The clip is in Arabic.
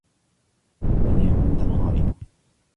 لَنْ يَعُودَ الْغَائِبُ.